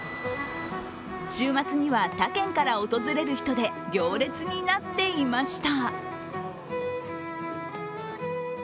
週末には他県から訪れる人で行列になっていました。